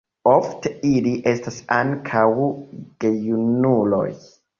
Ofte ili estas ankaŭ gejunuloj.